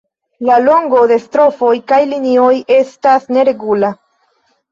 La longo de "strofoj" kaj linioj estas neregula.